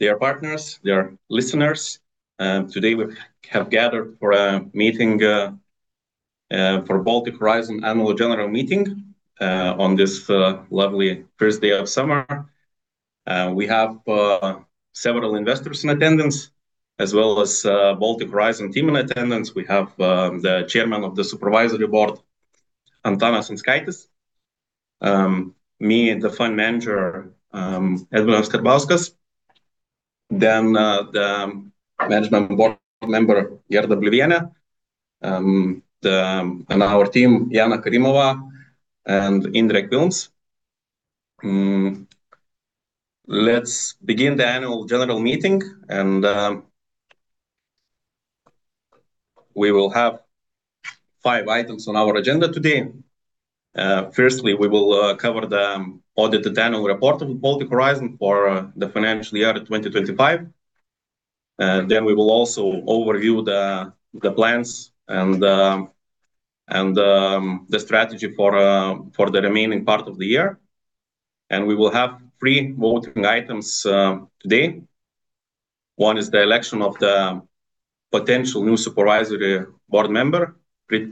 Dear partners, dear listeners, today we have gathered for a meeting for Baltic Horizon Annual General Meeting on this lovely first day of summer. We have several investors in attendance, as well as Baltic Horizon team in attendance. We have the chairman of the supervisory board, Antanas Anskaitis, me, the fund manager, Edvinas Karbauskas, the management board member, Gerda Bliuviene, and our team, Jana Karimova and Indrek Vilms. Let's begin the annual general meeting. We will have five items on our agenda today. Firstly, we will cover the audited annual report of Baltic Horizon for the financial year 2025. We will also overview the plans and the strategy for the remaining part of the year. We will have three voting items today. One is the election of the potential new supervisory board member, Priit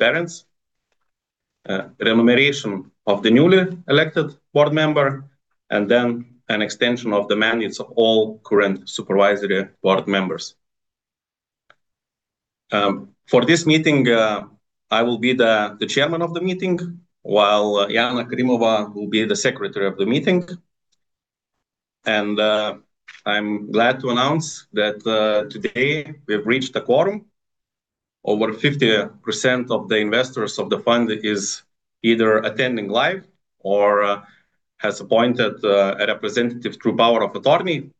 Perens. Remuneration of the newly elected board member, and then an extension of the mandates of all current supervisory board members. For this meeting, I will be the chairman of the meeting, while Jana Karimova will be the secretary of the meeting. I'm glad to announce that today we've reached a quorum. Over 50% of the investors of the fund is either attending live or has appointed a representative through power of attorney.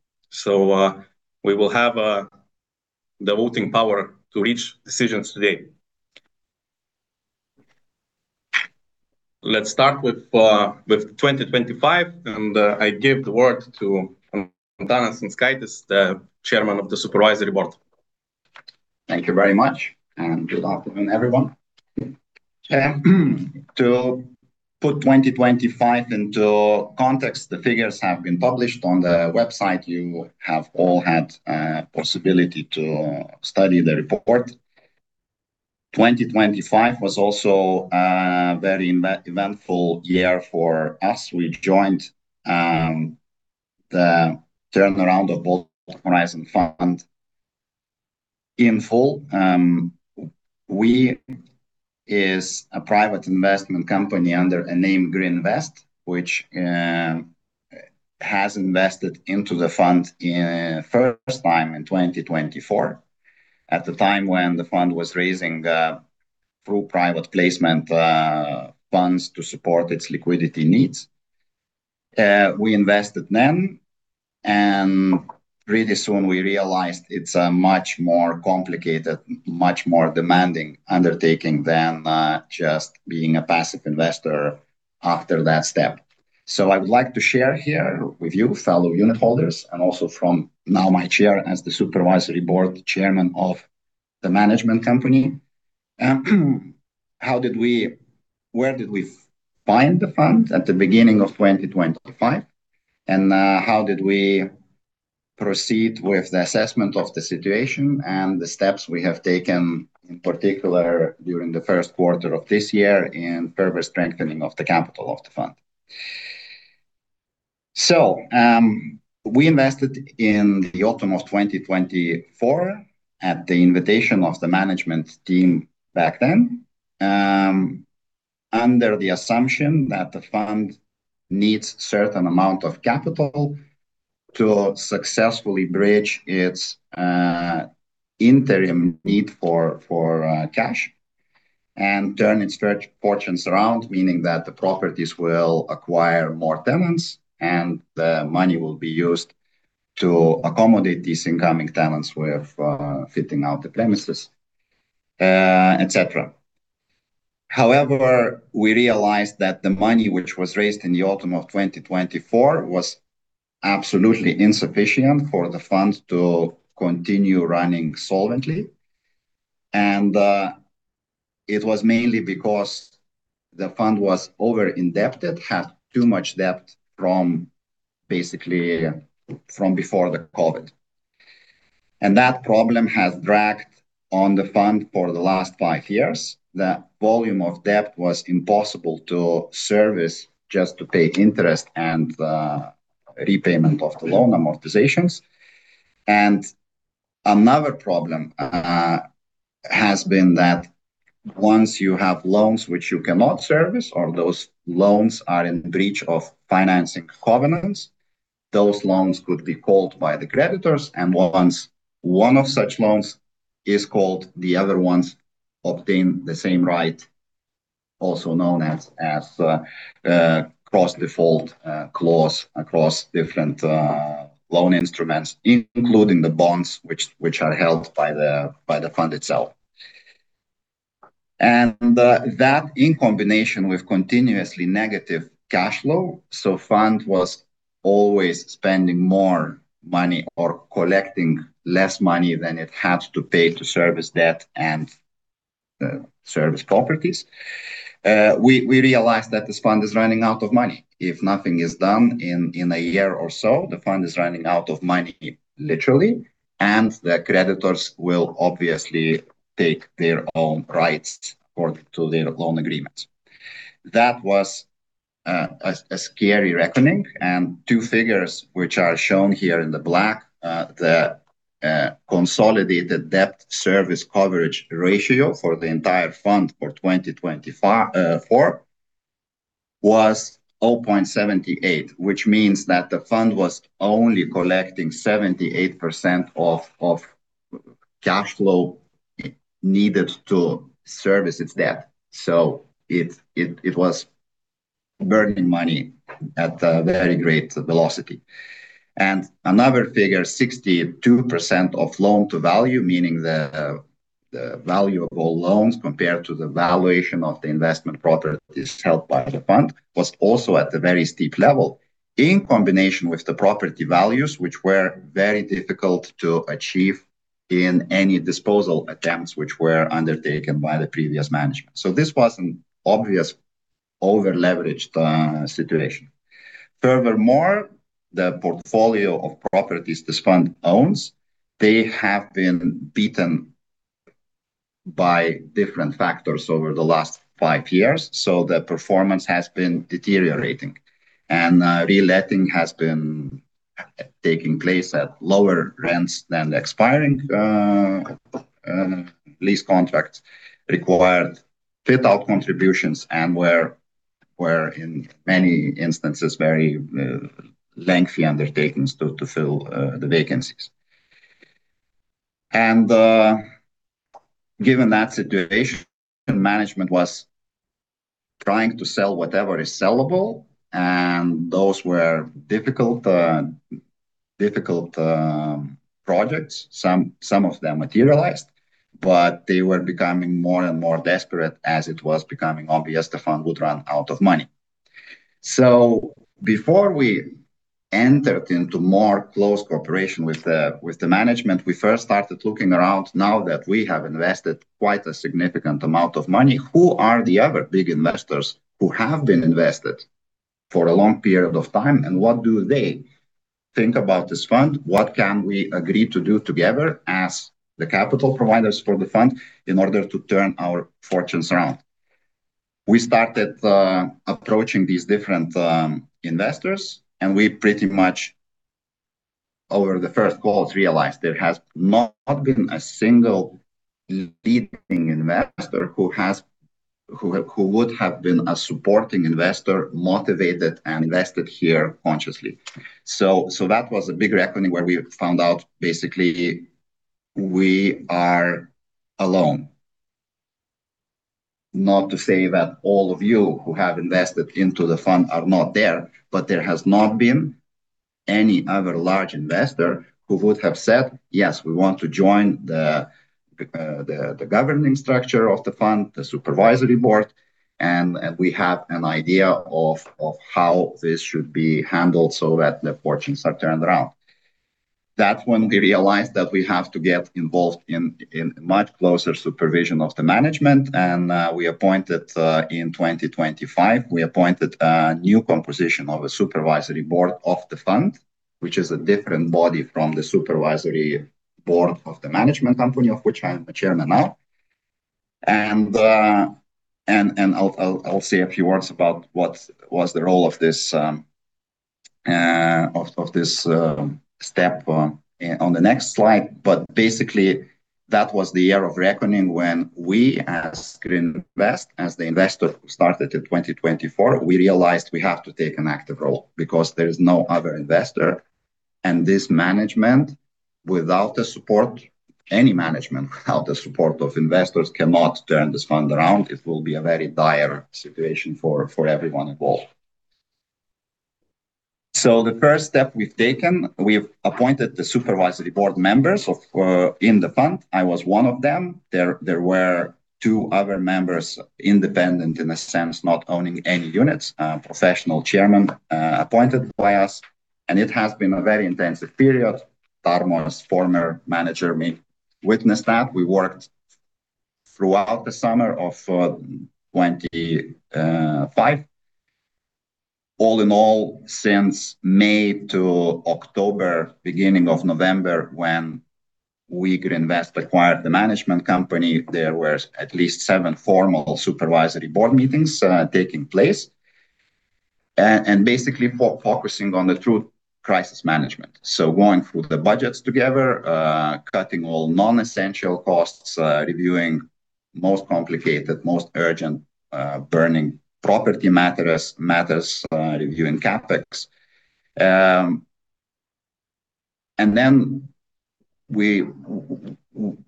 We will have the voting power to reach decisions today. Let's start with 2025, and I give the word to Antanas Anskaitis, the chairman of the supervisory board. Thank you very much. Good afternoon, everyone. To put 2025 into context, the figures have been published on the website. You have all had a possibility to study the report. 2025 was also a very eventful year for us. We joined the turnaround of Baltic Horizon Fund in full. We is a private investment company under a name Green Invest, which has invested into the fund first time in 2024, at the time when the fund was raising through private placement funds to support its liquidity needs. We invested then, and really soon we realized it's a much more complicated, much more demanding undertaking than just being a passive investor after that step. I would like to share here with you, fellow unit holders, and also from now my chair as the Supervisory Board Chairman of the management company, where did we find the Fund at the beginning of 2025, and how did we proceed with the assessment of the situation and the steps we have taken, in particular during Q1 of this year in further strengthening of the capital of the Fund. We invested in the autumn of 2024 at the invitation of the management team back then, under the assumption that the Fund needs certain amount of capital to successfully bridge its interim need for cash and turn its fortunes around, meaning that the properties will acquire more tenants, and the money will be used to accommodate these incoming tenants with fitting out the premises, et cetera. However, we realized that the money which was raised in the autumn of 2024 was absolutely insufficient for the fund to continue running solvently. It was mainly because the fund was over-indebted, had too much debt from basically before the COVID. That problem has dragged on the fund for the last five years. That volume of debt was impossible to service just to pay interest and repayment of the loan amortizations. Another problem has been that once you have loans which you cannot service or those loans are in breach of financing covenants, those loans could be called by the creditors, and once one of such loans is called, the other ones obtain the same right, also known as cross-default clause across different loan instruments, including the bonds which are held by the fund itself. That in combination with continuously negative cash flow, so fund was always spending more money or collecting less money than it had to pay to service debt and to service properties. We realized that this fund is running out of money. If nothing is done in a year or so, the fund is running out of money, literally, and the creditors will obviously take their own rights according to their loan agreement. That was a scary reckoning, two figures which are shown here in the black, the consolidated debt service coverage ratio for the entire fund for 2024 was 0.78, which means that the fund was only collecting 78% of cash flow needed to service its debt. It was burning money at a very great velocity. Another figure, 62% of loan-to-value, meaning the value of all loans compared to the valuation of the investment properties held by the fund, was also at the very steep level in combination with the property values, which were very difficult to achieve in any disposal attempts which were undertaken by the previous management. This was an obvious over-leveraged situation. Furthermore, the portfolio of properties this fund owns, they have been beaten by different factors over the last five years, so their performance has been deteriorating. Reletting has been taking place at lower rents than the expiring lease contracts required, fit-out contributions, and were in many instances very lengthy undertakings to fill the vacancies. Given that situation, management was trying to sell whatever is sellable, and those were difficult projects. Some of them materialized, they were becoming more and more desperate as it was becoming obvious the fund would run out of money. Before we entered into more close cooperation with the management, we first started looking around now that we have invested quite a significant amount of money, who are the other big investors who have been invested for a long period of time, and what do they think about this fund? What can we agree to do together as the capital providers for the fund in order to turn our fortunes around? We started approaching these different investors, we pretty much over the first calls realized there has not been a single leading investor who would have been a supporting investor, motivated and invested here consciously. That was a big reckoning where we found out basically we are alone. Not to say that all of you who have invested into the fund are not there, but there has not been any other large investor who would have said, "Yes, we want to join the governing structure of the fund, the supervisory board, and we have an idea of how this should be handled so that the fortunes are turned around." That's when we realized that we have to get involved in much closer supervision of the management, and we appointed in 2025, we appointed a new composition of a supervisory board of the fund, which is a different body from the supervisory board of the management company, of which I am a chairman now. I'll say a few words about what was the role of this step on the next slide. Basically, that was the year of reckoning when we as Green Invest, as the investor who started in 2024, we realized we have to take an active role because there is no other investor, and this management, without the support, any management without the support of investors cannot turn this fund around. It will be a very dire situation for everyone involved. The first step we've taken, we've appointed the supervisory board members in the fund. I was one of them. There were two other members, independent in the sense not owning any units, a professional chairman appointed by us, and it has been a very intensive period. Tarmo Karotam, as former manager, may witness that. We worked throughout the summer of 2025. All in all, since May to October, beginning of November, when we, Green Invest, acquired the management company, there were at least seven formal supervisory board meetings taking place and basically focusing on the true crisis management. Going through the budgets together, cutting all non-essential costs, reviewing most complicated, most urgent burning property matters, reviewing CapEx.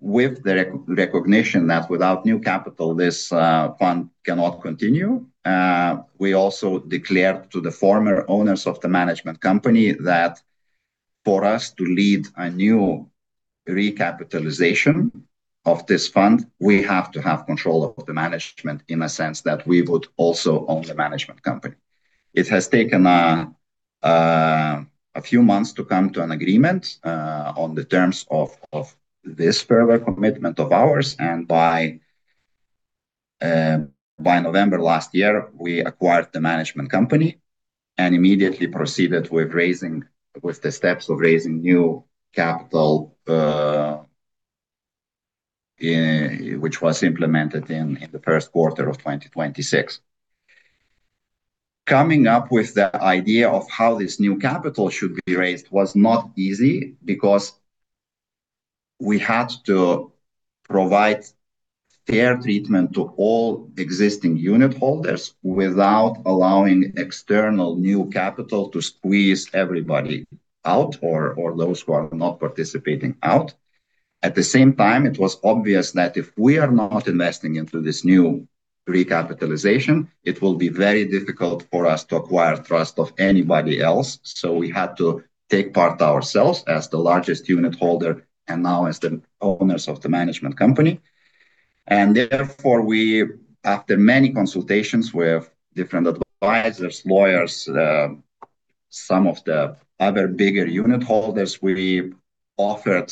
With the recognition that without new capital, this fund cannot continue, we also declared to the former owners of the management company that for us to lead a new recapitalization of this fund, we have to have control of the management in a sense that we would also own the management company. It has taken a few months to come to an agreement on the terms of this further commitment of ours. By November last year, we acquired the management company and immediately proceeded with the steps of raising new capital which was implemented in Q1 of 2026. Coming up with the idea of how this new capital should be raised was not easy because we had to provide fair treatment to all existing unitholders without allowing external new capital to squeeze everybody out, or those who are not participating out. At the same time, it was obvious that if we are not investing into this new recapitalization, it will be very difficult for us to acquire trust of anybody else. We had to take part ourselves as the largest unitholder and now as the owners of the management company. Therefore, after many consultations with different advisors, lawyers, some of the other bigger unitholders, we offered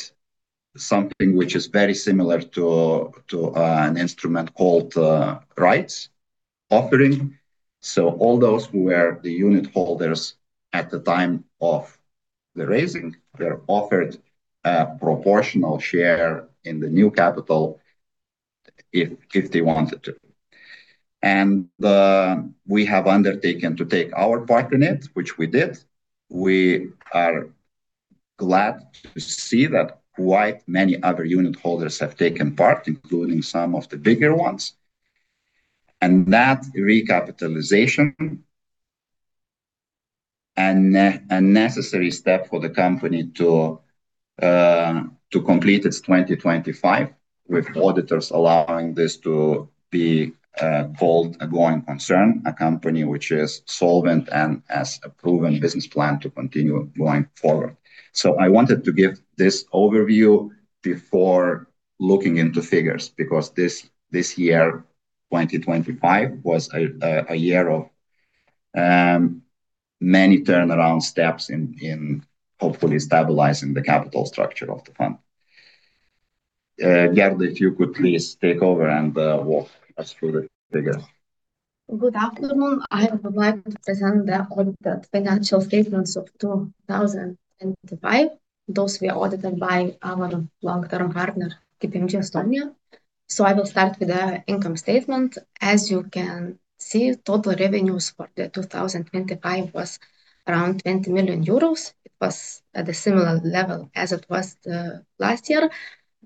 something which is very similar to an instrument called rights offering. All those who were the unitholders at the time of the raising, were offered a proportional share in the new capital if they wanted to. We have undertaken to take our part in it, which we did. We are glad to see that quite many other unitholders have taken part, including some of the bigger ones. That recapitalization, a necessary step for the company to complete its 2025 with auditors allowing this to be called a going concern, a company which is solvent and has a proven business plan to continue going forward. I wanted to give this overview before looking into figures because this year, 2025, was a year of many turnaround steps in hopefully stabilizing the capital structure of the fund. Gerda, if you could please take over and walk us through the figures. Good afternoon. I would like to present the audited financial statements of 2025. Those were audited by our long-term partner, KPMG Estonia. I will start with the income statement. As you can see, total revenues for 2025 was around 20 million euros. It was at the similar level as it was last year.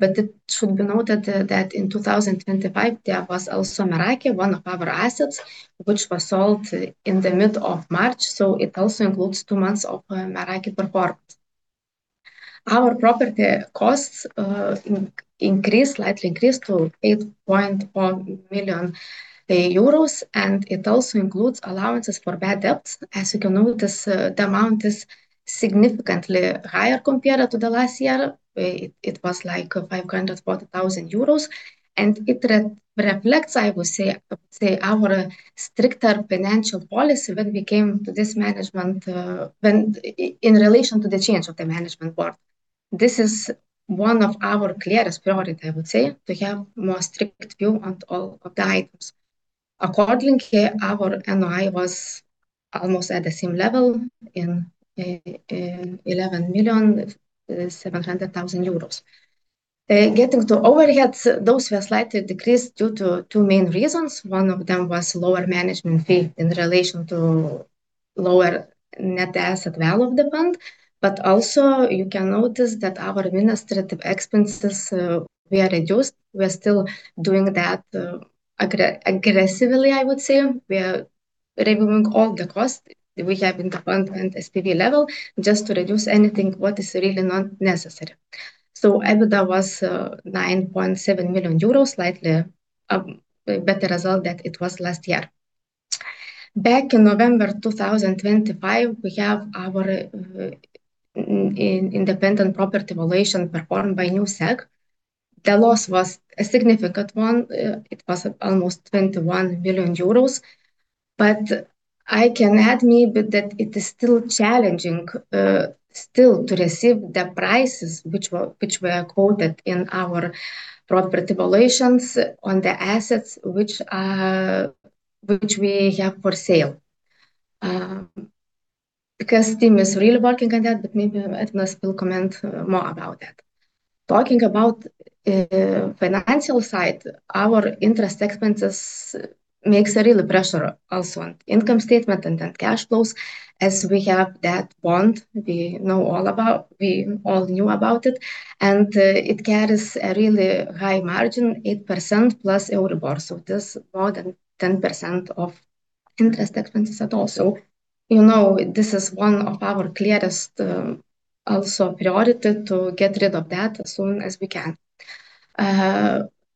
It should be noted that in 2025, there was also Meraki, one of our assets, which was sold in the mid of March. It also includes two months of Meraki performance. Our property costs increased, slightly increased to 8.1 million euros, and it also includes allowances for bad debts. As you can notice, the amount is significantly higher compared to the last year, where it was like 540,000 euros. It reflects, I would say, our stricter financial policy when we came to this management in relation to the change of the management board. This is one of our clearest priority, I would say, to have more strict view on all of the items. Accordingly, our NOI was almost at the same level in 11.7 million. Getting to overheads, those were slightly decreased due to two main reasons. One of them was lower management fee in relation to lower net asset value of the fund. Also you can notice that our administrative expenses were reduced. We're still doing that aggressively, I would say. We are removing all the costs we have in the fund and SPV level just to reduce anything what is really not necessary. EBITDA was 9.7 million euros, slightly better result than it was last year. Back in November 2025, we have our independent property valuation performed by Newsec. The loss was a significant one. It was almost 21 million euros. I can add maybe that it is still challenging to receive the prices which were quoted in our property valuations on the assets which we have for sale. Team is really working on that, but maybe Edvinas will comment more about that. Talking about financial side, our interest expenses makes a real pressure also on income statement and then cash flows as we have that bond we all knew about it, and it carries a really high margin, 8%+ Euribor. This is more than 10% of interest expenses. You know this is one of our clearest also priority to get rid of that as soon as we can.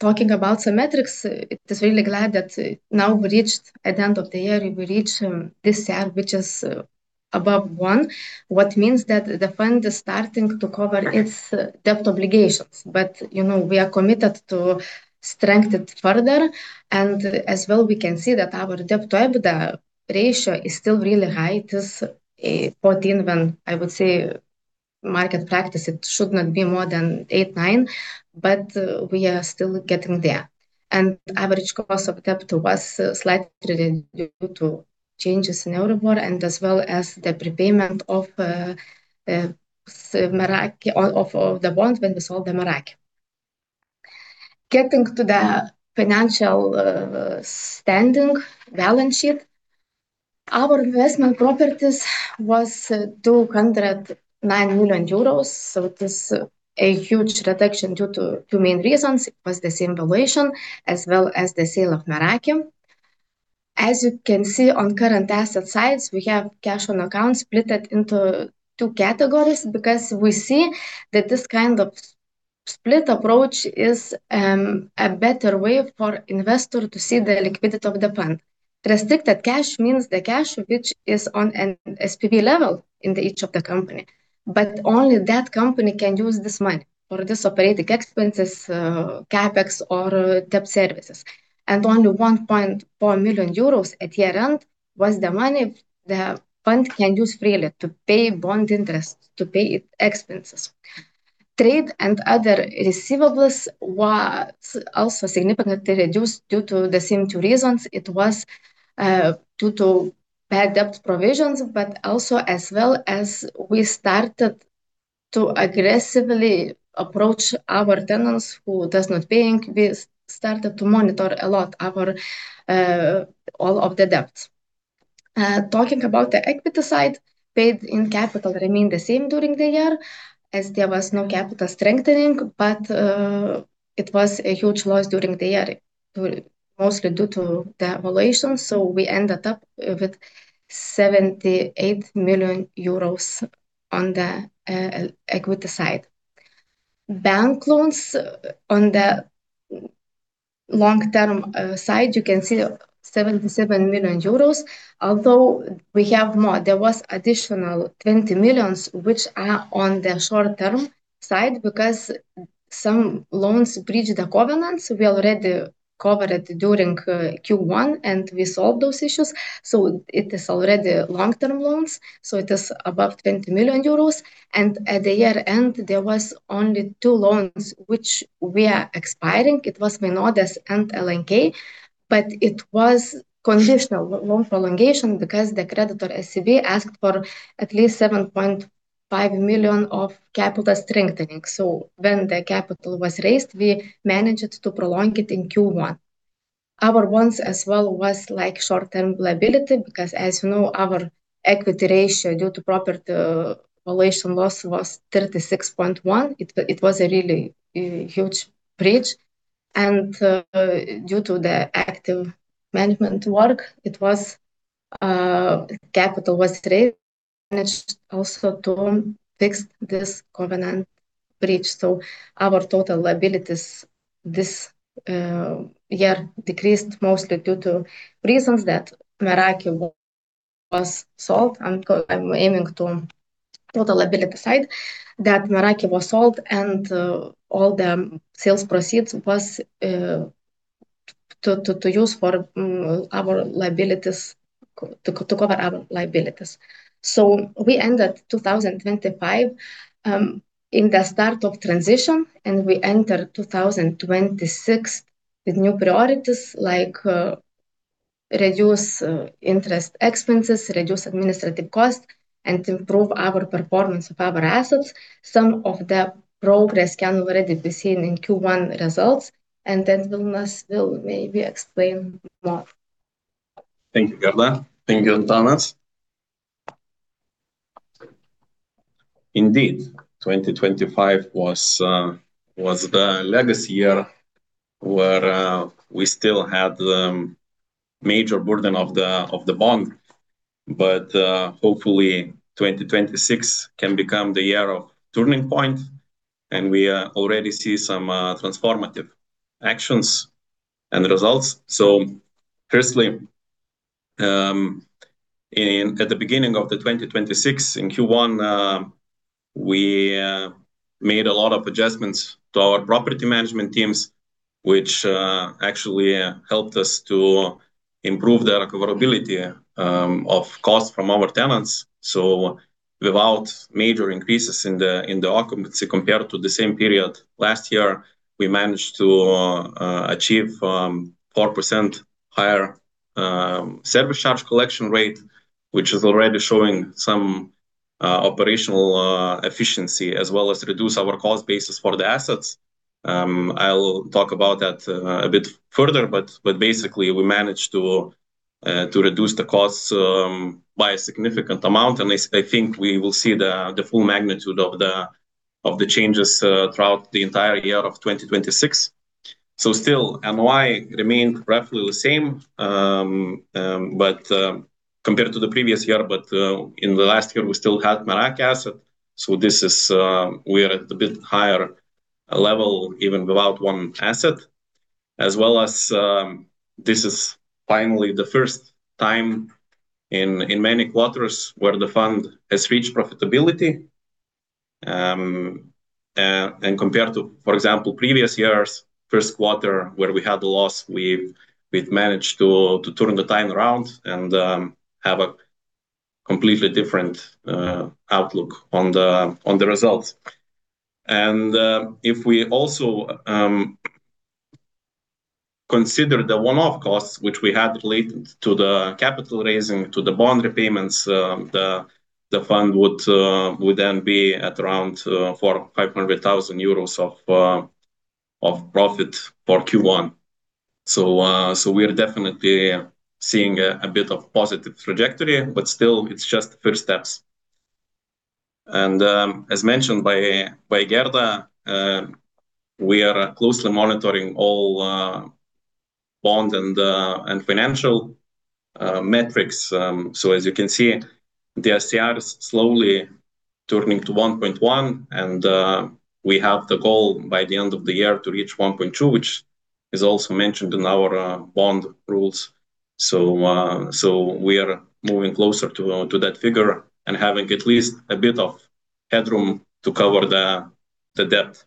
Talking about some metrics, it is really glad that now we reached at the end of the year, this year which is above one, which means that the fund is starting to cover its debt obligations. We are committed to strengthen it further. As well, we can see that our debt to EBITDA ratio is still really high. It is 14 when I would say market practice, it should not be more than 8, 9. We are still getting there. Average cost of debt was slightly reduced due to changes in Euribor as well as the prepayment of the bond when we sold the Meraki. Getting to the financial standing balance sheet, our investment properties was 209 million euros. It is a huge reduction due to two main reasons. It was the same valuation as well as the sale of Meraki. As you can see on current asset sides, we have cash on account split into two categories because we see that this kind of split approach is a better way for investors to see the liquidity of the fund. Restricted cash means the cash which is on an SPV level in each of the companies. Only that company can use this money for its operating expenses, CapEx or debt services. Only 1.4 million euros at year-end was the money the fund can use freely to pay bond interest, to pay expenses. Trade and other receivables was also significantly reduced due to the same two reasons. It was due to bad debt provisions, but also as well as we started to aggressively approach our tenants who were not paying. We started to monitor a lot our all of the debts. Talking about the equity side, paid-in capital remained the same during the year as there was no capital strengthening, but it was a huge loss during the year mostly due to the valuation. We ended up with 78 million euros on the equity side. Bank loans on the long-term side, you can see 77 million euros, although we have more. There was additional 20 million which are on the short-term side because some loans breach the covenants. We already covered during Q1, and we solved those issues, so it is already long-term loans, so it is above 20 million euros. At the year-end, there was only two loans which were expiring. It was [Minordus] and LNK, but it was conditional loan prolongation because the creditor SEB asked for at least 7.5 million of capital strengthening. When the capital was raised, we managed to prolong it in Q1. Our ones as well was like short-term liability because as you know, our equity ratio due to property valuation loss was 36.1. It was a really huge breach. Due to the active management work, capital was raised, managed also to fix this covenant breach. Our total liabilities this year decreased mostly due to reasons that Meraki was sold. I'm aiming to total liability side, that Meraki was sold and all the sales proceeds was to use to cover our liabilities. We ended 2025 in the start of transition, and we enter 2026 with new priorities like reduce interest expenses, reduce administrative cost, and improve our performance of our assets. Some of the progress can already be seen in Q1 results, and then Edvinas will maybe explain more. Thank you, Gerda. Thank you, Antanas. Indeed, 2025 was the legacy year where we still had the major burden of the bond. Hopefully, 2026 can become the year of turning point and we are already see some transformative actions and results. Firstly, at the beginning of the 2026 in Q1, we made a lot of adjustments to our property management teams, which actually helped us to improve the recoverability of cost from our tenants. Without major increases in the occupancy compared to the same period last year, we managed to achieve 4% higher service charge collection rate, which is already showing some operational efficiency as well as reduce our cost basis for the assets. I'll talk about that a bit further. Basically, we managed to reduce the costs by a significant amount. I think we will see the full magnitude of the changes throughout the entire year of 2026. Still NOI remain roughly the same compared to the previous year. In the last year we still had Meraki asset. We are at a bit higher level even without one asset. As well as this is finally the first time in many quarters where the fund has reached profitability. Compared to, for example, previous years' Q1 where we had a loss, we've managed to turn the tide around and have a completely different outlook on the results. If we also consider the one-off costs which we had related to the capital raising, to the bond repayments, the fund would then be at around EUR 400,000 or 500,000 euros of profit for Q1. We are definitely seeing a bit of positive trajectory, but still, it's just the first steps. As mentioned by Gerda, we are closely monitoring all bond and financial metrics. As you can see, the DSCR is slowly turning to 1.1 and we have the goal by the end of the year to reach 1.2, which is also mentioned in our bond rules. We are moving closer to that figure and having at least a bit of headroom to cover the debt.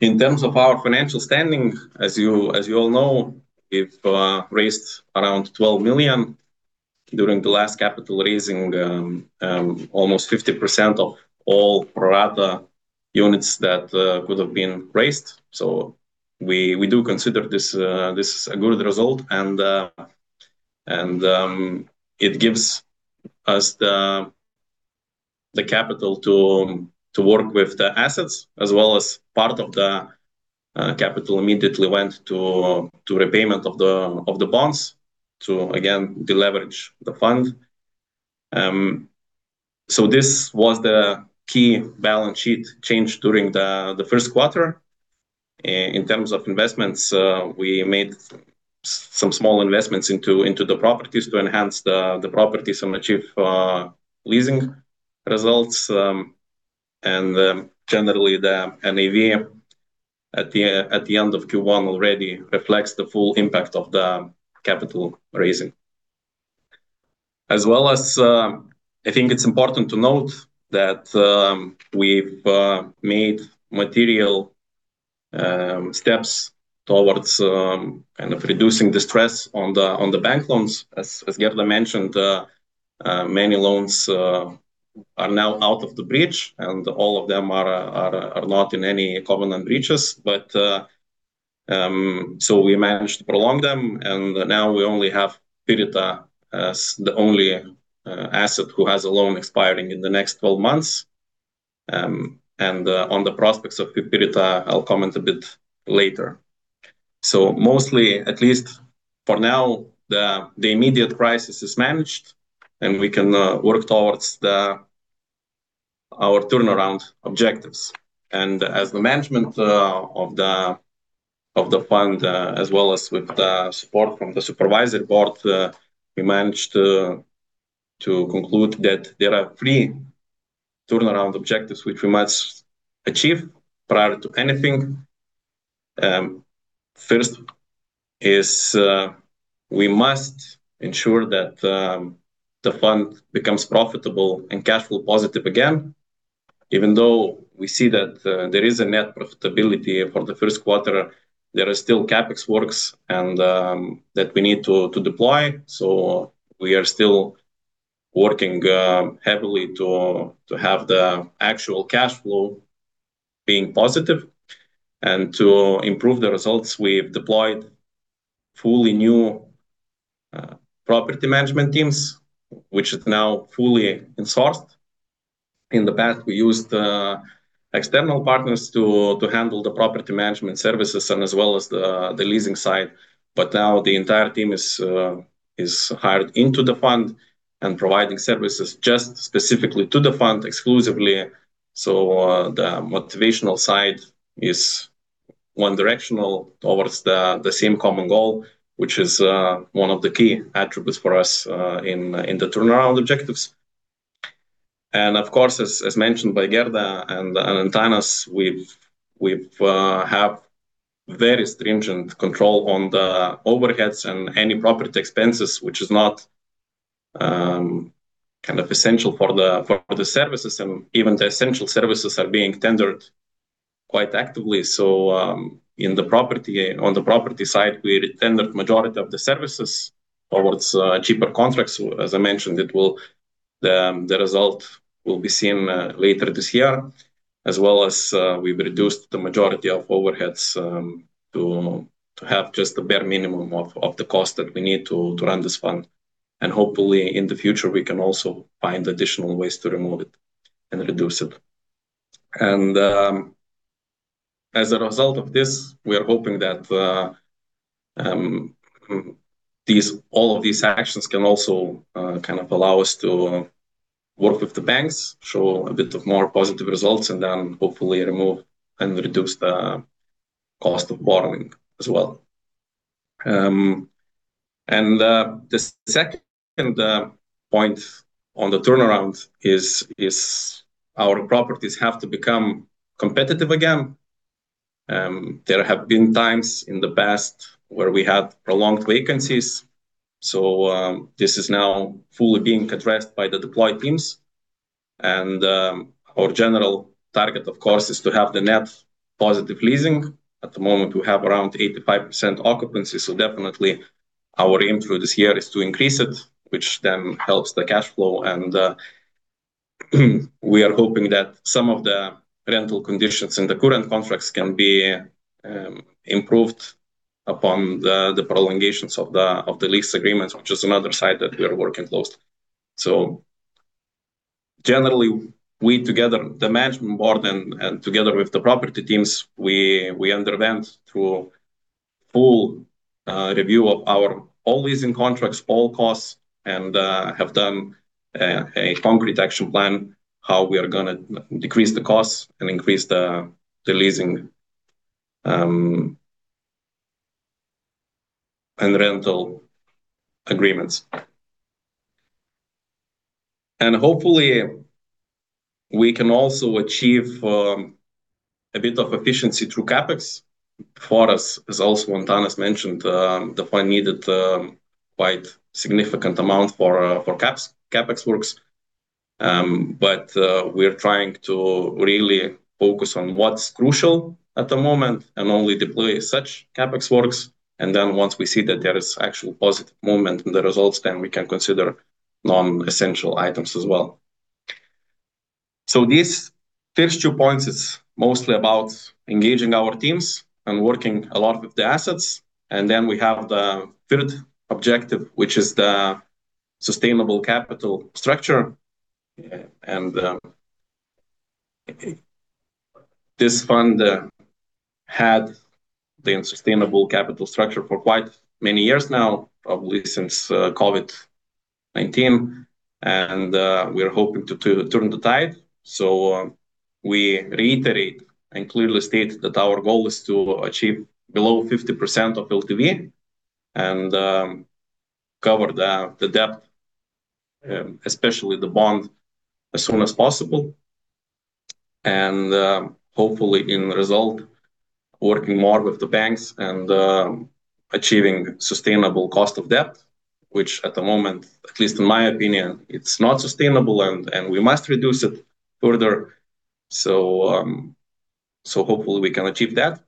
In terms of our financial standing, as you all know, we've raised around 12 million during the last capital raising, almost 50% of all pro rata units that could have been raised. We do consider this a good result and it gives us the capital to work with the assets as well as part of the capital immediately went to repayment of the bonds to, again, deleverage the fund. This was the key balance sheet change during the Q1. In terms of investments, we made some small investments into the properties to enhance the properties and achieve leasing results. Generally, the NAV at the end of Q1 already reflects the full impact of the capital raising. As well as, I think it's important to note that we've made material steps towards reducing the stress on the bank loans. As Gerda mentioned, many loans are now out of the breach and all of them are not in any covenant breaches. We managed to prolong them and now we only have Pirita as the only asset who has a loan expiring in the next 12 months. On the prospects of Pirita, I'll comment a bit later. Mostly, at least for now, the immediate crisis is managed and we can work towards our turnaround objectives. As the management of the fund, as well as with the support from the Supervisory Board, we managed to conclude that there are three turnaround objectives which we must achieve prior to anything. First is we must ensure that the fund becomes profitable and cash flow positive again, even though we see that there is a net profitability for the Q1, there are still CapEx works and that we need to deploy. We are still working heavily to have the actual cash flow being positive and to improve the results we've deployed fully new property management teams, which is now fully insourced. In the past, we used external partners to handle the property management services and as well as the leasing side, but now the entire team is hired into the fund and providing services just specifically to the fund exclusively. The motivational side is one directional towards the same common goal, which is one of the key attributes for us in the turnaround objectives. Of course, as mentioned by Gerda and Antanas, we've have very stringent control on the overheads and any property expenses which is not essential for the services and even the essential services are being tendered quite actively. On the property side, we tendered majority of the services towards cheaper contracts. As I mentioned, the result will be seen later this year, as well as we've reduced the majority of overheads to have just the bare minimum of the cost that we need to run this fund. Hopefully in the future we can also find additional ways to remove it and reduce it. As a result of this, we are hoping that all of these actions can also allow us to work with the banks, show a bit of more positive results and then hopefully remove and reduce the cost of borrowing as well. The second point on the turnaround is our properties have to become competitive again. There have been times in the past where we had prolonged vacancies. This is now fully being addressed by the deployed teams. Our general target, of course, is to have the net positive leasing. At the moment, we have around 85% occupancy. Definitely our aim through this year is to increase it, which then helps the cash flow. We are hoping that some of the rental conditions in the current contracts can be improved upon the prolongations of the lease agreements, which is another side that we are working close. Generally, we together, the management board and together with the property teams, we underwent through full review of our all leasing contracts, all costs, and have done a concrete action plan, how we are going to decrease the costs and increase the leasing and rental agreements. Hopefully we can also achieve a bit of efficiency through CapEx for us, as also Antanas mentioned, the fund needed quite significant amount for CapEx works. We're trying to really focus on what's crucial at the moment and only deploy such CapEx works. Once we see that there is actual positive movement in the results, we can consider non-essential items as well. These first two points is mostly about engaging our teams and working a lot with the assets. We have the third objective, which is the sustainable capital structure. This fund had the unsustainable capital structure for quite many years now, probably since COVID-19, and we are hoping to turn the tide. We reiterate and clearly state that our goal is to achieve below 50% of LTV and cover the debt, especially the bond as soon as possible. Hopefully in result, working more with the banks and achieving sustainable cost of debt, which at the moment, at least in my opinion, it's not sustainable and we must reduce it further. Hopefully we can achieve that.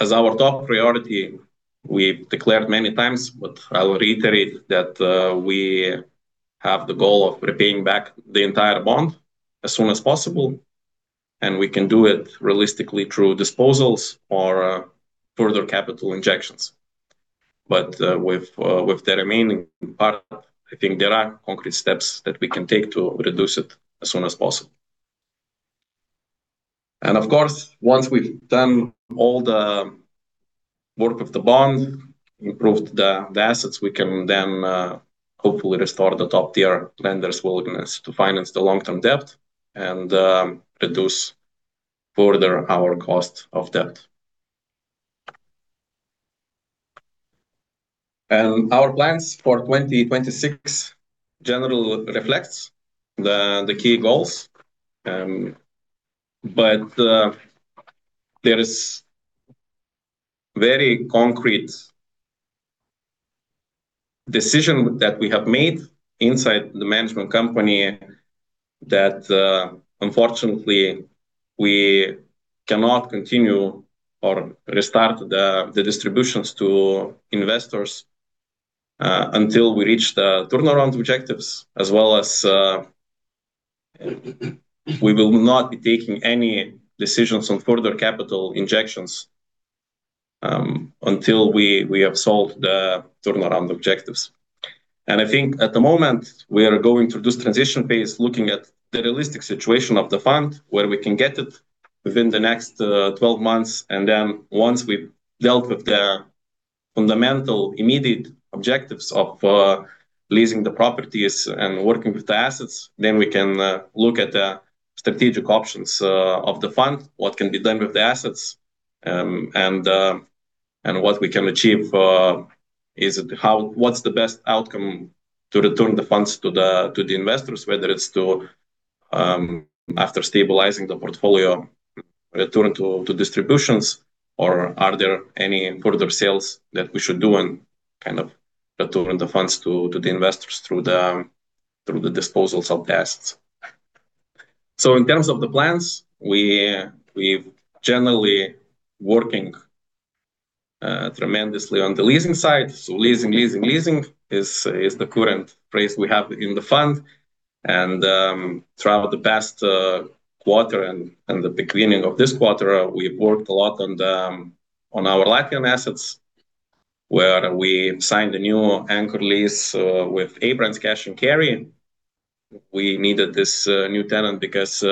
As our top priority, we've declared many times, but I'll reiterate that we have the goal of repaying back the entire bond as soon as possible, and we can do it realistically through disposals or further capital injections. With the remaining part, I think there are concrete steps that we can take to reduce it as soon as possible. Of course, once we've done all the work of the bond, improved the assets, we can then hopefully restore the top-tier lenders' willingness to finance the long-term debt and reduce further our cost of debt. Our plans for 2026 generally reflects the key goals. There is very concrete decision that we have made inside the management company that unfortunately we cannot continue or restart the distributions to investors until we reach the turnaround objectives as well as we will not be taking any decisions on further capital injections until we have solved the turnaround objectives. I think at the moment we are going through this transition phase looking at the realistic situation of the fund where we can get it within the next 12 months. Once we've dealt with the fundamental immediate objectives of leasing the properties and working with the assets, then we can look at the strategic options of the fund, what can be done with the assets, and what we can achieve. What's the best outcome to return the funds to the investors, whether it's to after stabilizing the portfolio, return to distributions or are there any further sales that we should do and kind of return the funds to the investors through the disposals of the assets. In terms of the plans, we've generally working tremendously on the leasing side. Leasing, leasing is the current phrase we have in the fund. Throughout the past quarter and the beginning of this quarter, we've worked a lot on our Latvian assets where we signed a new anchor lease with Abrands Cash and Carry. We needed this new tenant because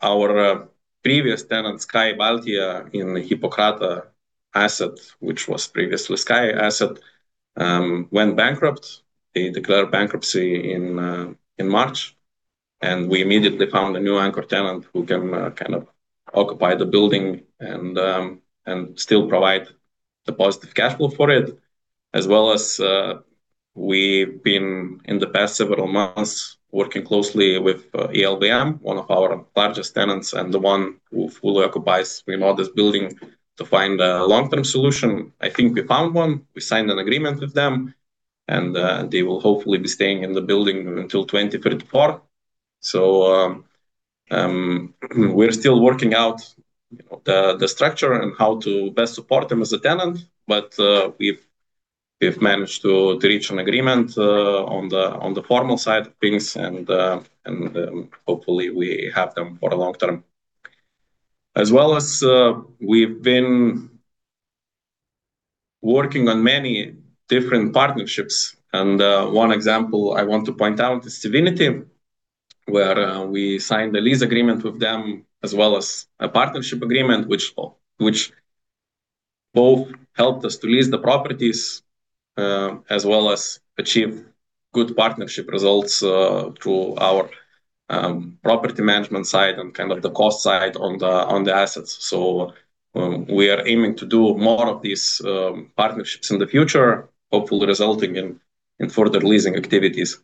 our previous tenant, Sky Baltija in Hippokrata Asset, which was previously Sky Asset, went bankrupt. They declared bankruptcy in March, and we immediately found a new anchor tenant who can occupy the building and still provide the positive cash flow for it. As well as we've been, in the past several months, working closely with LVM, one of our largest tenants and the one who fully occupies pretty much this building to find a long-term solution. I think we found one. We signed an agreement with them, and they will hopefully be staying in the building until 2034. We're still working out the structure and how to best support them as a tenant. We've managed to reach an agreement on the formal side of things and hopefully we have them for the long term. As well as we've been working on many different partnerships and one example I want to point out is Civinity, where we signed a lease agreement with them as well as a partnership agreement, which both helped us to lease the properties, as well as achieve good partnership results through our property management side and the cost side on the assets. We are aiming to do more of these partnerships in the future, hopefully resulting in further leasing activities.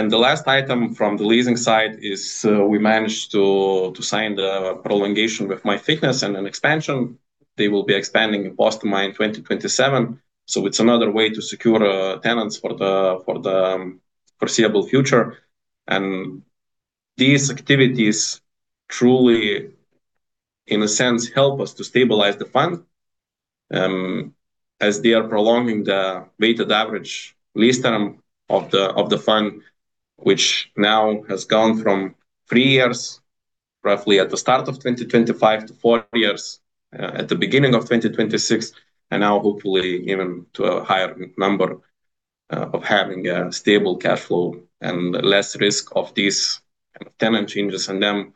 The last item from the leasing side is we managed to sign the prolongation with MyFitness and an expansion. They will be expanding in Postimaja in 2027, it's another way to secure tenants for the foreseeable future. These activities truly, in a sense, help us to stabilize the fund, as they are prolonging the weighted average lease term of the fund, which now has gone from three years, roughly at the start of 2025, to four years at the beginning of 2026, and now hopefully even to a higher number of having a stable cash flow and less risk of these tenant changes and them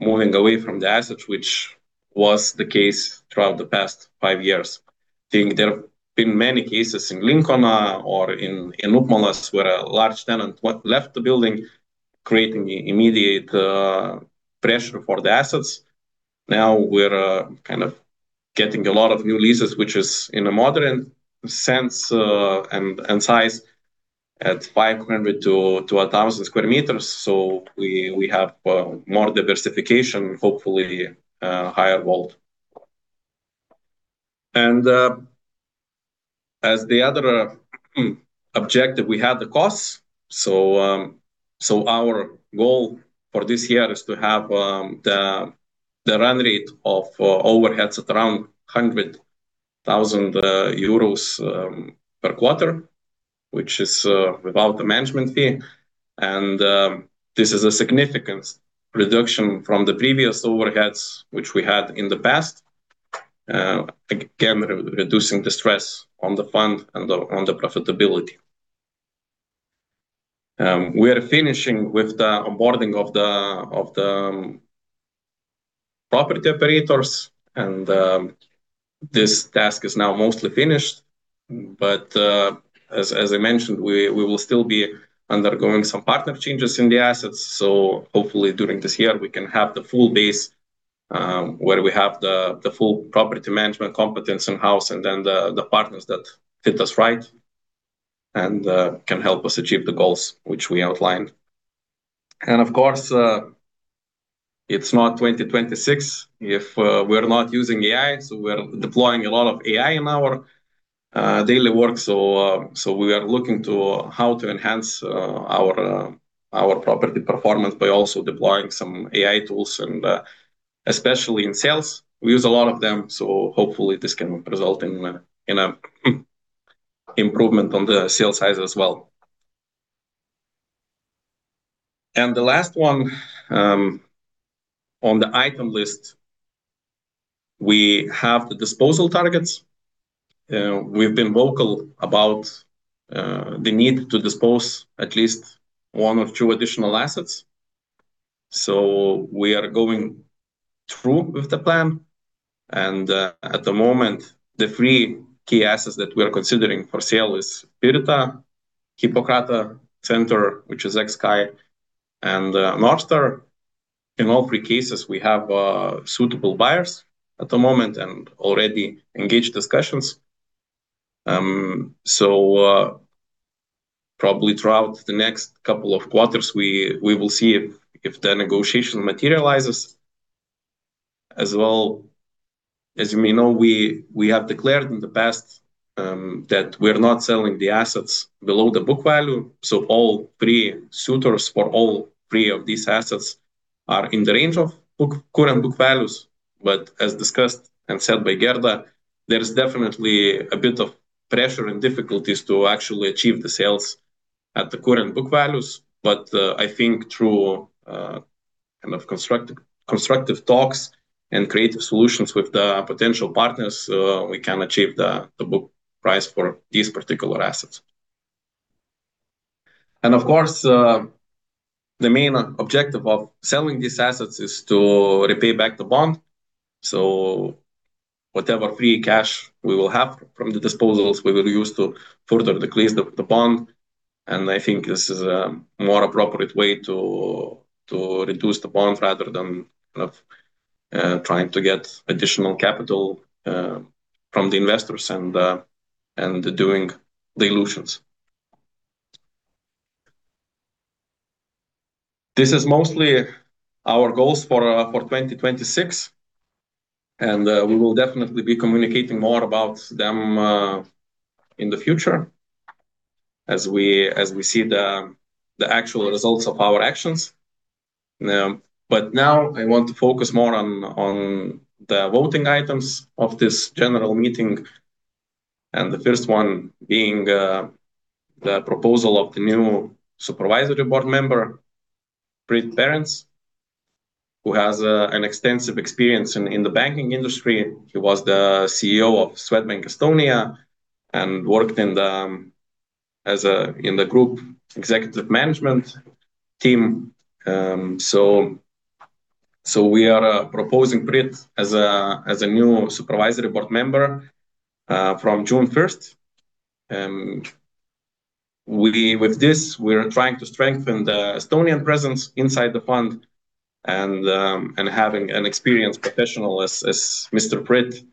moving away from the assets, which was the case throughout the past five years. I think there have been many cases in Lincona or in Upmalas where a large tenant left the building, creating immediate pressure for the assets. We are getting a lot of new leases, which is in a modern sense and size at 500 sq m to 1,000 sq m. We have more diversification, hopefully higher WALT. As the other objective, we had the costs. Our goal for this year is to have the run rate of overheads at around 100,000 euros per quarter, which is without the management fee. This is a significant reduction from the previous overheads which we had in the past, again, reducing the stress on the fund and on the profitability. We are finishing with the onboarding of the property operators, and this task is now mostly finished. As I mentioned, we will still be undergoing some partner changes in the assets. Hopefully, during this year, we can have the full base, where we have the full property management competence in-house and then the partners that fit us right and can help us achieve the goals which we outlined. Of course, it's not 2026 if we're not using AI, so we're deploying a lot of AI in our daily work. We are looking to how to enhance our property performance by also deploying some AI tools and especially in sales. We use a lot of them. Hopefully this can result in an improvement on the sales side as well. The last one on the item list, we have the disposal targets. We've been vocal about the need to dispose at least one or two additional assets. We are going through with the plan and at the moment, the three key assets that we are considering for sale is Pirita, Hippokrates Center, which is ex-Sky, and North Star. In all three cases, we have suitable buyers at the moment and already engaged discussions. Probably throughout the next couple of quarters, we will see if the negotiation materializes. As well as we know, we have declared in the past that we're not selling the assets below the book value. All three suitors for all three of these assets are in the range of current book values. As discussed and said by Gerda, there is definitely a bit of pressure and difficulties to actually achieve the sales at the current book values. I think through constructive talks and creative solutions with the potential partners, we can achieve the book price for these particular assets. Of course, the main objective of selling these assets is to repay back the bond. Whatever free cash we will have from the disposals, we will use to further decrease the bond. I think this is a more appropriate way to reduce the bond rather than trying to get additional capital from the investors and doing dilutions. This is mostly our goals for 2026. We will definitely be communicating more about them in the future as we see the actual results of our actions. Now I want to focus more on the voting items of this general meeting. The first one being the proposal of the new Supervisory Board Member, Priit Perens, who has an extensive experience in the banking industry. He was the CEO of Swedbank Estonia and worked in the group executive management team. We are proposing Priit as a new Supervisory Board Member from June 1st. With this, we are trying to strengthen the Estonian presence inside the fund and having an experienced professional as Mr. Priit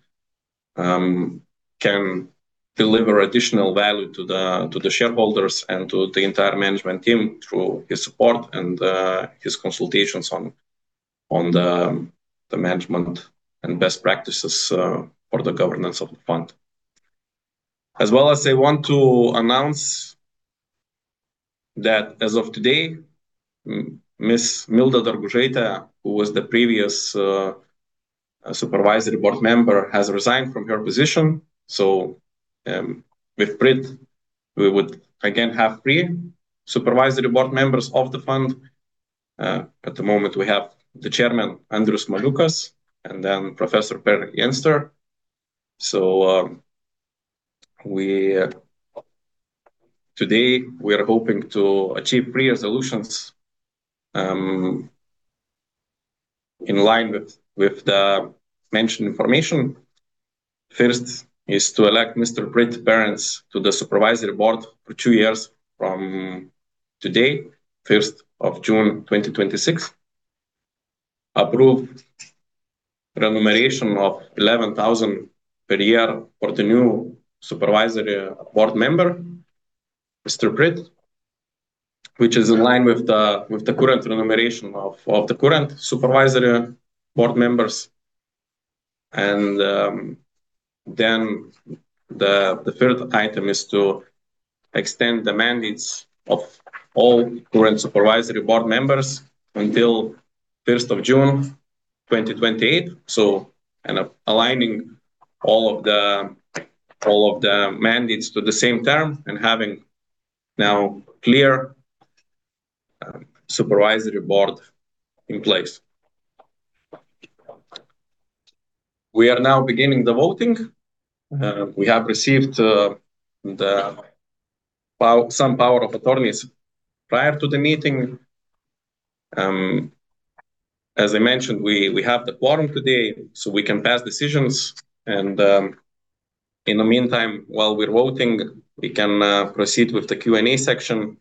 can deliver additional value to the shareholders and to the entire management team through his support and his consultations on the management and best practices for the governance of the fund. I want to announce that as of today, Ms. Milda Dargužaitė, who was the previous supervisory board member, has resigned from her position. With Priit, we would again have three supervisory board members of the fund. At the moment, we have the chairman, Andrius Smaliukas, and Professor Per V. Jenster. Today, we are hoping to achieve three resolutions in line with the mentioned information. First is to elect Mr. Priit Perens to the supervisory board for two years from today, June 1st 2026. Approve remuneration of 11,000 per year for the new supervisory board member, Mr. Priit, which is in line with the current remuneration of the current supervisory board members. The third item is to extend the mandates of all current supervisory board members until June 1st, 2028. Aligning all of the mandates to the same term and having now clear Supervisory Board in place. We are now beginning the voting. We have received some powers of attorney prior to the meeting. As I mentioned, we have the quorum today, so we can pass decisions. In the meantime, while we're voting, we can proceed with the Q&A section.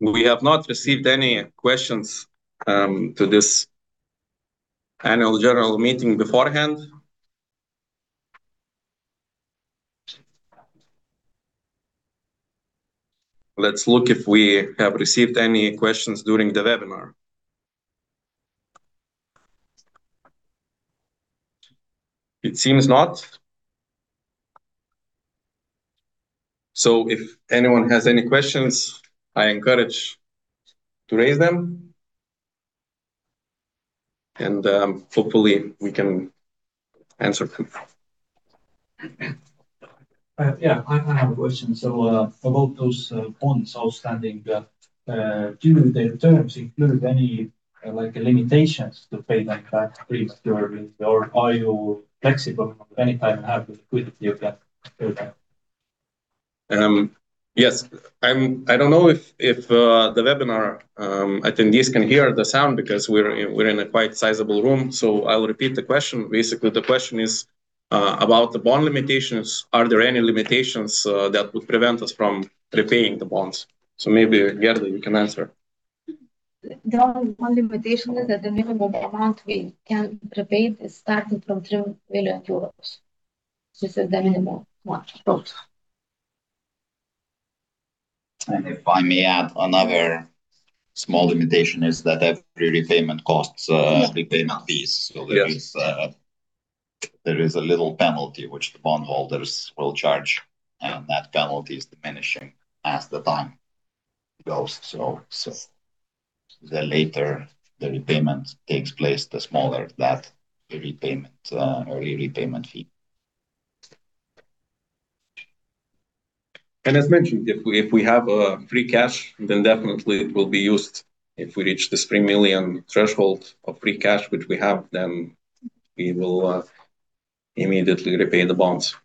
We have not received any questions to this Annual General Meeting beforehand. Let's look if we have received any questions during the webinar. It seems not. If anyone has any questions, I encourage to raise them, and hopefully we can answer. Yeah, I have a question. About those bonds outstanding, do their terms include any limitations to pay back that principal, or are you flexible anytime you have the liquidity of that program? Yes. I don't know if the webinar attendees can hear the sound because we're in a quite sizable room, so I'll repeat the question. Basically, the question is about the bond limitations. Are there any limitations that would prevent us from repaying the bonds? Maybe, Gerda, you can answer. The only bond limitation is that the minimum amount we can repay is starting from 3 million euros. This is the minimum amount. If I may add, another small limitation is that every repayment costs a repayment fees. There is a little penalty which the bondholders will charge, and that penalty is diminishing as the time goes. The later the repayment takes place, the smaller that early repayment fee. As mentioned, if we have free cash, then definitely it will be used. If we reach this 3 million threshold of free cash, which we have, then we will immediately repay the bonds.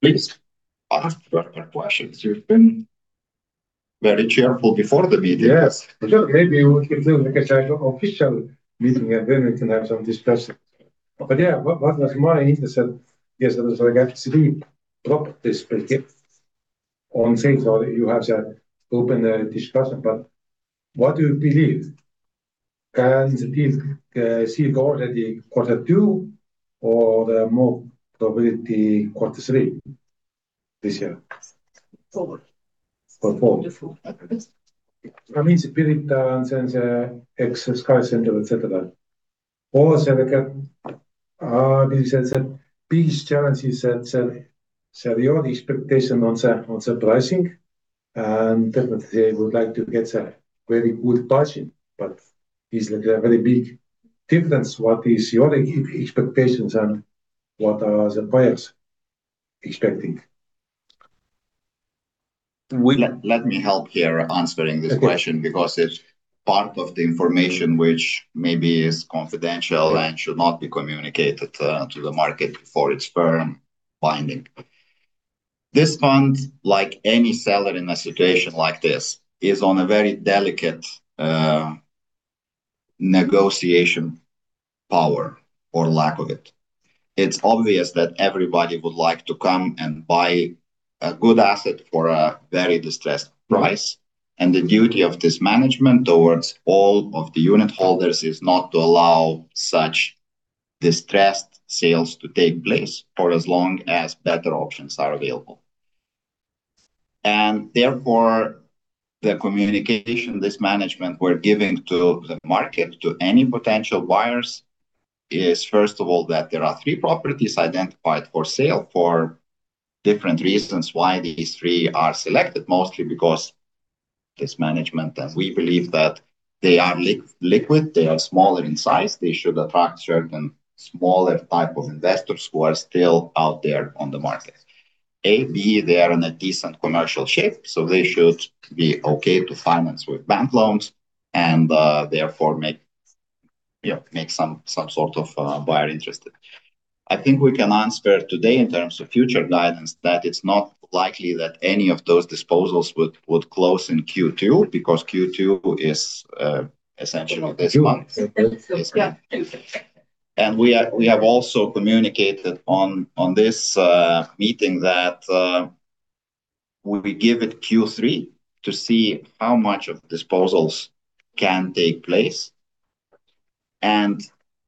Please ask further questions. You've been very cheerful before the meeting. Yes. Sure. Maybe we can do like a type of official meeting, then we can have some discussion. Yeah, what was my interest that, yes, it was like three properties, on things or you have to open a discussion. What do you believe? Can the deal see already Q2 or move to maybe Q3 this year? Forward. Forward. Forward. I mean, it's been it since XSky center, et cetera. Because it's a big challenge is that your expectation on the pricing, and definitely I would like to get a very good pricing. Is it a very big difference, what is your expectations and what are the buyers expecting? Let me help here answering this question because it's part of the information which maybe is confidential and should not be communicated to the market for its firm binding. This fund, like any seller in a situation like this, is on a very delicate negotiation power or lack of it. It is obvious that everybody would like to come and buy a good asset for a very distressed price. The duty of this management towards all of the unit holders is not to allow such distressed sales to take place for as long as better options are available. Therefore, the communication this management were giving to the market to any potential buyers is, first of all, that there are three properties identified for sale for different reasons why these three are selected. Mostly because this management, and we believe that they are liquid, they are smaller in size, they should attract certain smaller type of investors who are still out there on the market. A, B, they are in a decent commercial shape, so they should be okay to finance with bank loans and, therefore, make some sort of buyer interested. I think we can answer today in terms of future guidance, that it is not likely that any of those disposals would close in Q2 because Q2 is essentially this month. Yeah. We have also communicated on this meeting that we give it Q3 to see how much of disposals can take place, and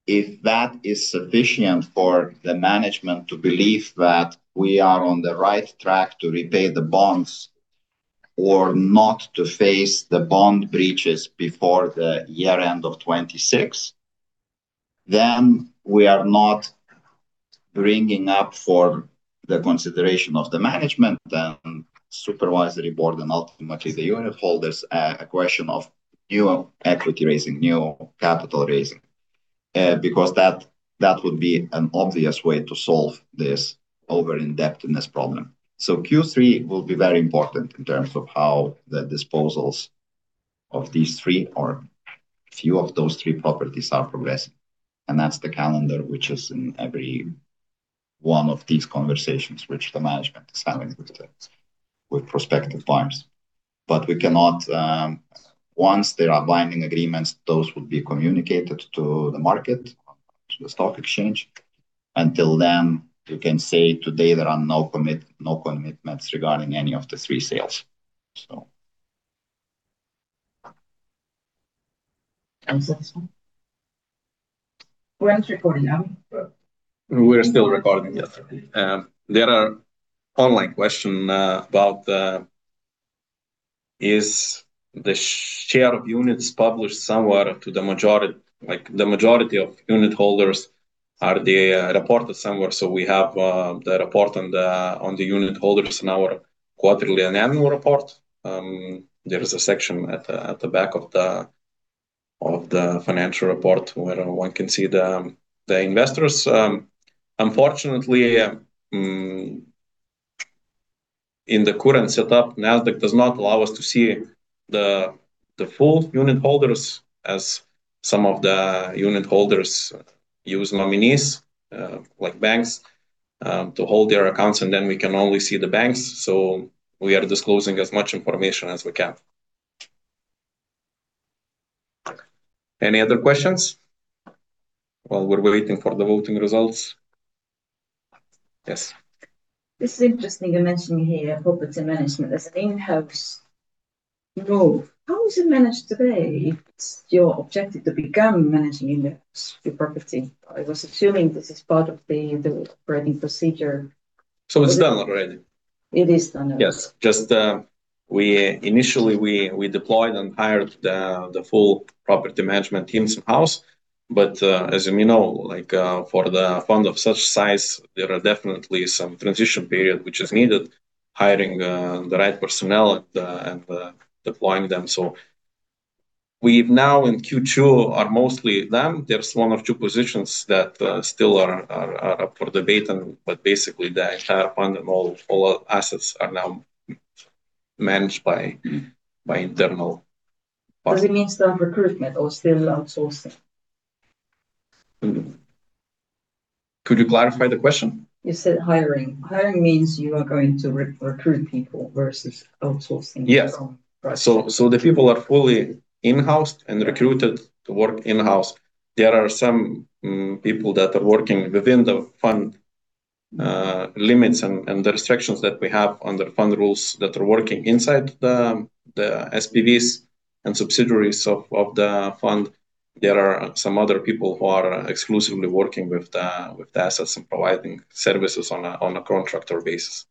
if that is sufficient for the management to believe that we are on the right track to repay the bonds or not to face the bond breaches before the year end of 2026. We are not bringing up for the consideration of the management and supervisory board, and ultimately the unit holders, a question of new equity raising, new capital raising. That would be an obvious way to solve this over-indebtedness problem. Q3 will be very important in terms of how the disposals of these three or few of those three properties are progressing. That's the calendar which is in every one of these conversations which the management is having with prospective buyers. Once there are binding agreements, those will be communicated to the market, to the stock exchange. Until then, we can say today there are no commitments regarding any of the three sales, so. Are you satisfied? We're still recording, aren't we? We're still recording, yes. There are online question about the share of units published somewhere to the majority, like the majority of unit holders, are they reported somewhere? We have the report on the unit holders in our quarterly and annual report. There is a section at the back of the financial report where one can see the investors. Unfortunately, in the current setup, Nasdaq does not allow us to see the full unit holders, as some of the unit holders use nominees like banks to hold their accounts, and then we can only see the banks. We are disclosing as much information as we can. Any other questions? While we're waiting for the voting results. Yes. This is interesting, you mentioning here property management as an in-house role. How is it managed today if it's your objective to become managing in-house the property? I was assuming this is part of the operating procedure. It is done already. It is done already. Yes. Initially, we deployed and hired the full property management teams in-house. As you may know, for the fund of such size, there are definitely some transition period which is needed, hiring the right personnel and deploying them. We've now in Q2 are mostly them. There's one of two positions that still are up for debate, but basically the entire fund and all assets are now managed by internal partners. Does it mean staff recruitment or still outsourcing? Could you clarify the question? You said hiring. Hiring means you are going to recruit people versus outsourcing. Yes Right. The people are fully in-housed and recruited to work in-house. There are some people that are working within the fund limits and the restrictions that we have under fund rules that are working inside the SPVs and subsidiaries of the fund. There are some other people who are exclusively working with the assets and providing services on a contractor basis.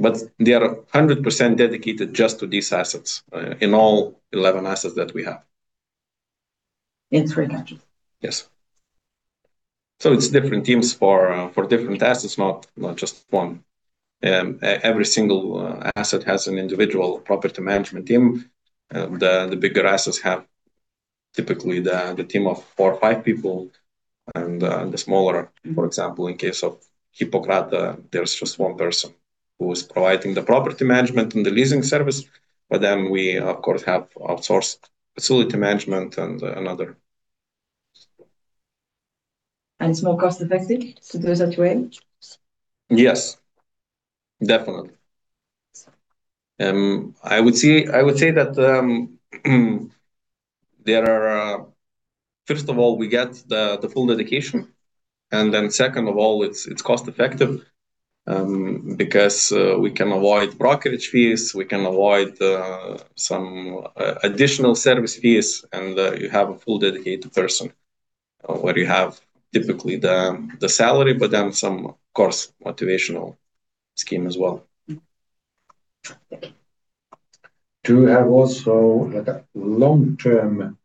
Right. They are 100% dedicated just to these assets, in all 11 assets that we have. In three countries. Yes. It's different teams for different assets, not just one. Every single asset has an individual property management team. The bigger assets have typically the team of four or five people and the smaller, for example, in case of Hippokrates, there's just one person who is providing the property management and the leasing service. We, of course, have outsourced facility management and another It's more cost-effective to do it that way? Yes, definitely. I would say that first of all, we get the full dedication, second of all, it's cost effective because we can avoid brokerage fees, we can avoid some additional service fees, and you have a full dedicated person, where you have typically the salary but some, of course, motivational scheme as well. Do you have also, like a long term,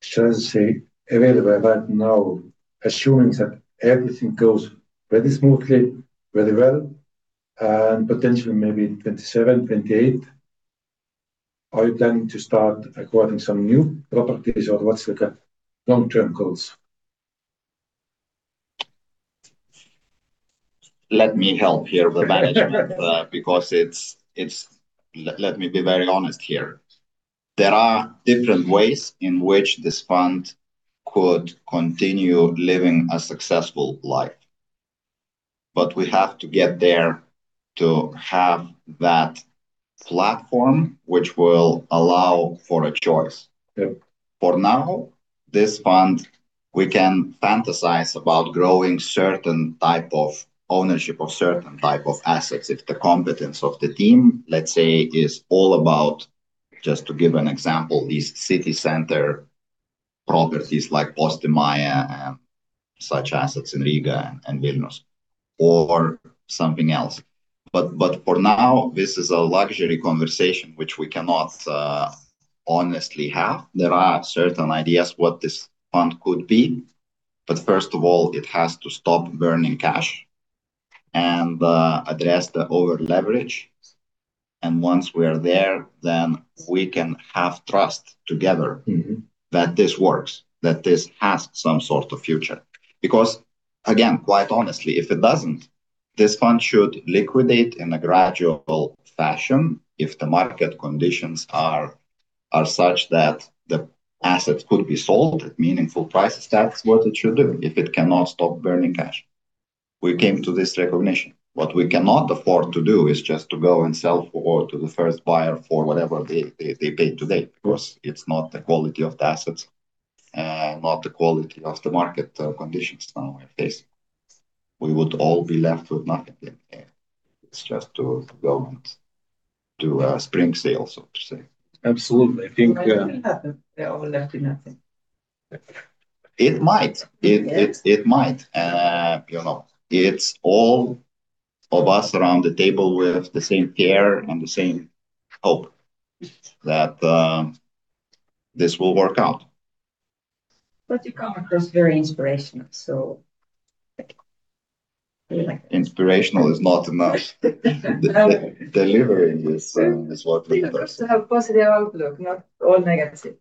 should I say, available right now, assuming that everything goes very smoothly, very well, and potentially maybe 2027, 2028, are you planning to start acquiring some new properties or what's the long term goals? Let me help here because let me be very honest here. There are different ways in which this fund could continue living a successful life, but we have to get there to have that platform which will allow for a choice. For now, this fund, we can fantasize about growing certain type of ownership of certain type of assets if the competence of the team, let's say, is all about, just to give an example, these city center properties like Postimaja and such assets in Riga and Vilnius or something else. For now, this is a luxury conversation which we cannot honestly have. There are certain ideas what this fund could be, but first of all, it has to stop burning cash and address the over-leverage. Once we are there, then we can have trust together that this works, that this has some sort of future. Again, quite honestly, if it doesn't, this fund should liquidate in a gradual fashion if the market conditions are such that the assets could be sold at meaningful prices. That's what it should do if it cannot stop burning cash. We came to this recognition. What we cannot afford to do is just to go and sell for to the first buyer for whatever they pay today, because it's not the quality of the assets and not the quality of the market conditions now we are facing. We would all be left with nothing if it's just to go and do a spring sale, so to say. Absolutely. I think- Why do you say we are all left with nothing? It might. Yes. It might. It's all of us around the table with the same care and the same hope that this will work out. You come across very inspirational. Inspirational is not enough. Delivering is what really does. You also have positive outlook, not all negative.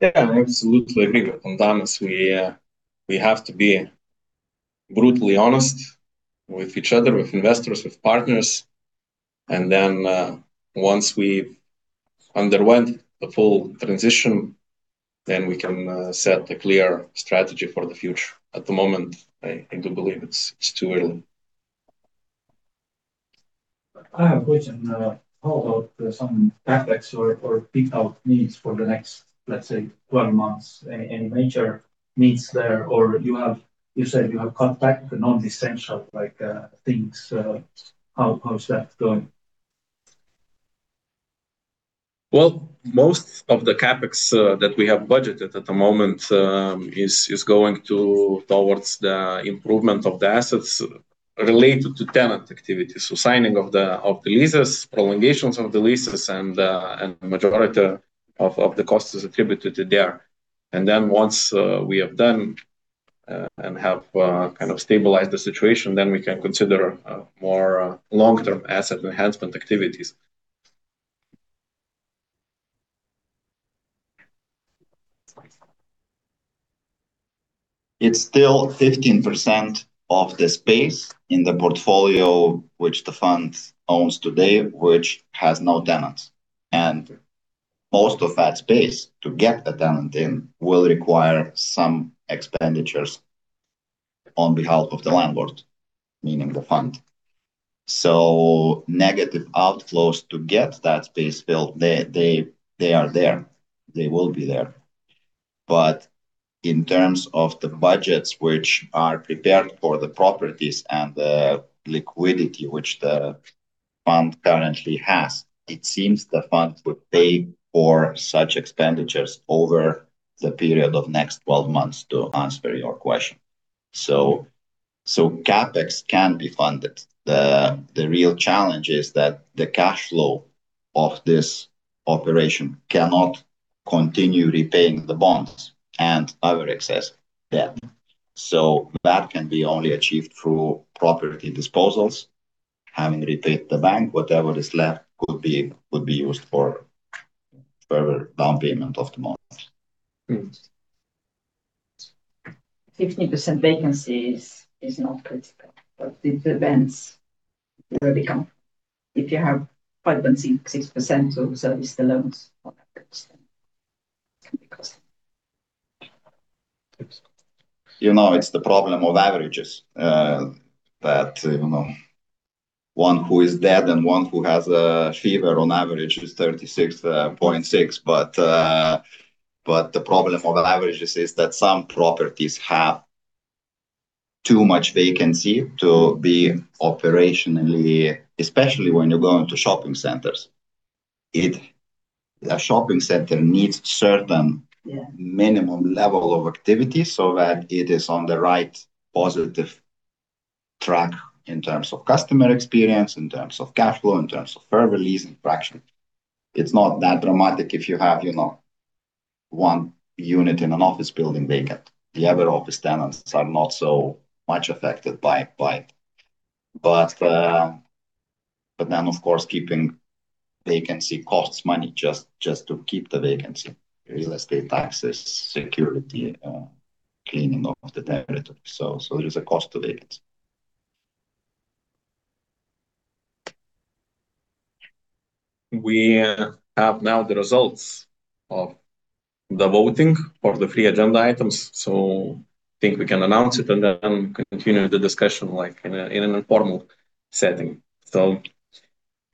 Yeah, I absolutely agree with Antanas. We have to be brutally honest with each other, with investors, with partners, and then once we've underwent the full transition, then we can set a clear strategy for the future. At the moment, I do believe it's too early. I have a question. How about some CapEx or fit-out needs for the next, let's say, 12 months? Any major needs there, or you said you have cut back the non-essential things? How's that going? Most of the CapEx that we have budgeted at the moment is going towards the improvement of the assets related to tenant activity. Signing of the leases, prolongations of the leases, and majority of the cost is attributed there. Once we have done and have stabilized the situation, then we can consider more long-term asset enhancement activities. It is still 15% of the space in the portfolio which the fund owns today, which has no tenants. Most of that space to get a tenant in will require some expenditures on behalf of the landlord, meaning the fund. Negative outflows to get that space filled, they are there. They will be there. In terms of the budgets which are prepared for the properties and the liquidity which the fund currently has, it seems the fund would pay for such expenditures over the period of next 12 months, to answer your question. CapEx can be funded. The real challenge is that the cash flow of this operation cannot continue repaying the bonds and other excess debt. That can be only achieved through property disposals, having repaid the bank, whatever is left would be used for further down payment of the bonds. 15% vacancy is not good, but the events will become, if you have 5.6% to service the loans. It's the problem of averages that one who is dead and one who has a fever on average is 36.6. The problem for the averages is that some properties have too much vacancy to be operationally, especially when you're going to shopping centers. A shopping center needs certain- Yeah -minimum level of activity so that it is on the right positive track in terms of customer experience, in terms of cash flow, in terms of properties in fraction. It's not that dramatic if you have one unit in an office building vacant. The other office tenants are not so much affected by it. Of course, keeping vacancy costs money just to keep the vacancy. Real estate taxes, security, cleaning of the territory. There is a cost of it. We have now the results of the voting for the three agenda items, think we can announce it and continue the discussion in an informal setting.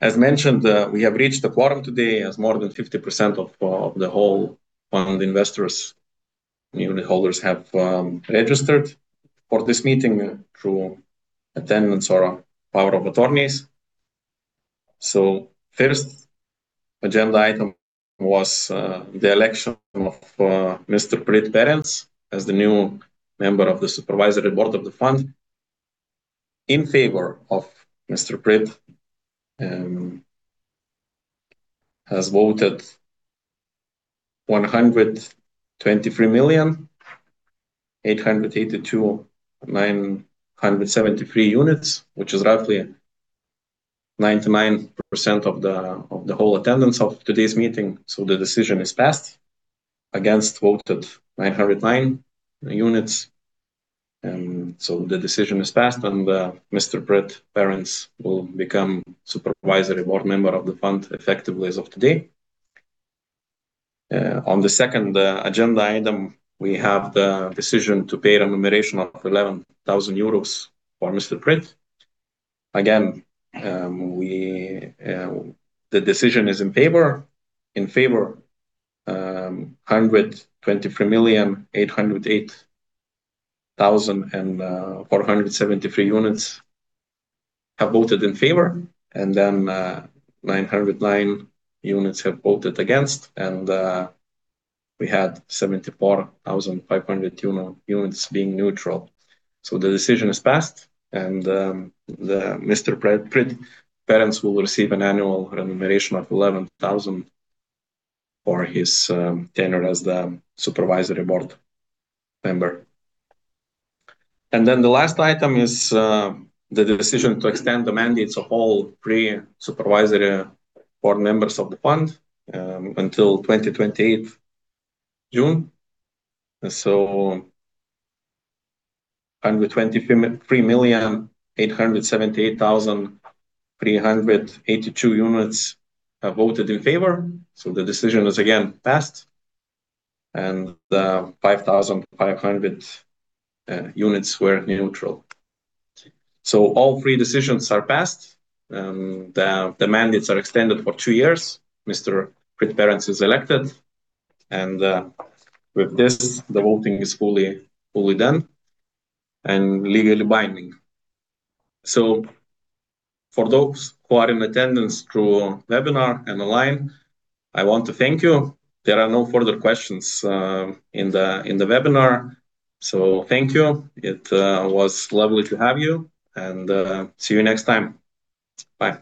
As mentioned, we have reached the quorum today as more than 50% of the whole fund investors, unitholders have registered for this meeting through attendance or powers of attorney. First agenda item was the election of Mr. Priit Perens as the new Member of the Supervisory Board of the fund. In favor of Mr. Priit, 123,882,973 units have voted, which is roughly 99% of the whole attendance of today's meeting. The decision is passed. Against voted 909 units. The decision is passed and Mr. Priit Perens will become Supervisory Board Member of the fund effective as of today. On the second agenda item, we have the decision to pay remuneration of 11,000 euros for Mr. Priit. Again, the decision is in favor. In favor, 123,808,473 units have voted in favor, 909 units have voted against. We had 74,500 units being neutral. The decision is passed and Mr. Priit Perens will receive an annual remuneration of 11,000 for his tenure as the Supervisory Board Member. The last item is the decision to extend the mandates of all three supervisory board members of the fund until 2028 June. 123,878,382 units have voted in favor. The decision is again passed and 5,500 units were neutral. All three decisions are passed. The mandates are extended for two years. Mr. Priit Perens is elected, and with this, the voting is fully done and legally binding. For those who are in attendance through webinar and the line, I want to thank you. There are no further questions in the webinar. Thank you. It was lovely to have you and see you next time. Bye.